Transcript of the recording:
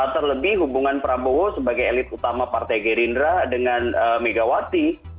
terlebih hubungan prabowo sebagai elit utama partai gerindra dengan megawati